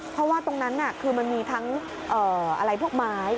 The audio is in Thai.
เพราะว่าตรงนั้นคือมันมีทั้งอะไรพวกไม้